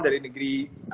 dari negeri atirai bangu ya